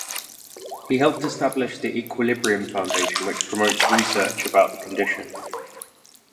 He helped to establish the "Equilibrium" foundation, which promotes research about the condition.